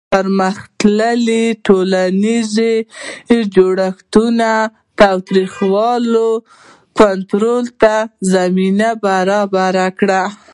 پرمختللي ټولنیز جوړښتونه د تاوتریخوالي کنټرول ته زمینه برابره کړه.